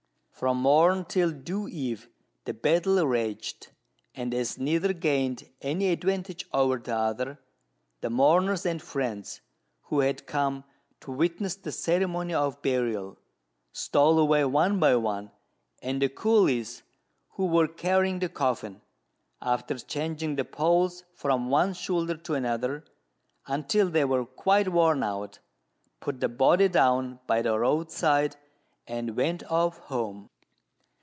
From morn till dewy eve the battle raged; and as neither gained any advantage over the other, the mourners and friends, who had come to witness the ceremony of burial, stole away one by one; and the coolies, who were carrying the coffin, after changing the poles from one shoulder to another until they were quite worn out, put the body down by the roadside, and went off home.